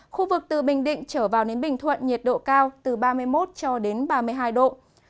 khu vực từ bình định trở vào đến bình thuận nhiệt độ cao từ ba mươi một cho đến ba mươi hai độ